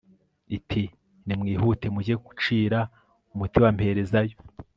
iti «nimwihute mujye kucira umuti wamperezayo